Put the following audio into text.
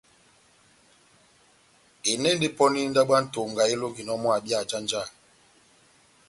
Eni endi ndabo ya Ntonga elonginɔ mɔ́ abi ajanjaha.